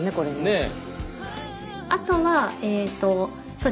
ねえ。